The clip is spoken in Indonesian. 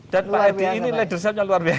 dan pak edi ini ledersamanya luar biasa